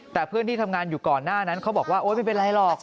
แต่เพื่อนที่ทำงานอยู่ก่อนหน้านั้นเขาบอกว่าโอ๊ยไม่เป็นไรหรอก